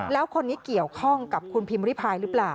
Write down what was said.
แล้วคนนี้เกี่ยวข้องกับคุณพิมพ์ริพายหรือเปล่า